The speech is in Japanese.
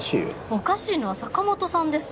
おかしいのは坂本さんです。